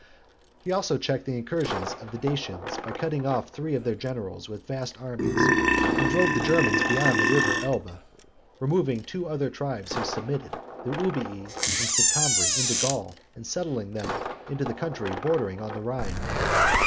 He also checked the incursions of the Dacians, by cutting off three of their generals with vast armies, and drove the Germans beyond the river Elbe; removing two other tribes who submitted, the Ubii and Sicambri, into Gaul, and settling them in the country bordering on the Rhine.